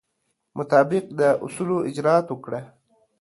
مطابق د اصولو اجرات وکړه.